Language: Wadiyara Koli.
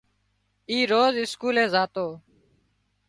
اِي روز اسڪولي زاتو